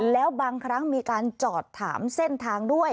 แล้วบางครั้งมีการจอดถามเส้นทางด้วย